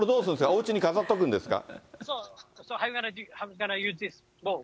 おうちに飾っておくんですか？